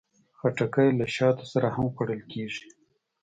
خټکی له شاتو سره هم خوړل کېږي.